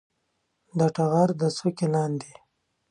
د ټغر د څوکې لاندې